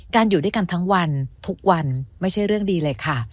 อยู่ด้วยกันทั้งวันทุกวันไม่ใช่เรื่องดีเลยค่ะ